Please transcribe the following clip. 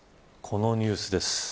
このニュースです。